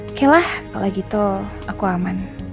oke lah kalau gitu aku aman